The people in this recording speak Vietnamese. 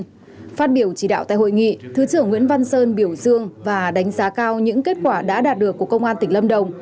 phát biểu chỉ đạo tại hội nghị thứ trưởng nguyễn văn sơn biểu dương và đánh giá cao những kết quả đã đạt được của công an tỉnh lâm đồng